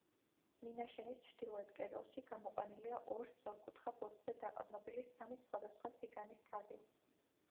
მინაშენის ჩრდილოეთ კედელში გამოყვანილია ორ სწორკუთხა ბოძზე დაყრდნობილი სამი სხვადასხვა სიგანის თაღი.